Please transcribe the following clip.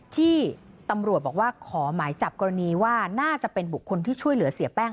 ที่ตำรวจบอกว่าขอหมายจับกรณีว่าน่าจะเป็นบุคคลที่ช่วยเหลือเสียแป้ง